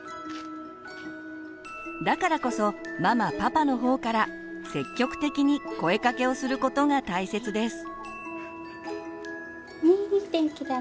だからこそママパパの方から積極的に声かけをすることが大切です。